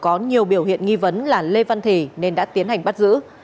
có nhiều biểu hiện nghi vấn là lê văn thì nên đã tiến hành bắt giữ